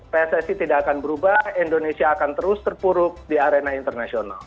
pssi tidak akan berubah indonesia akan terus terpuruk di arena internasional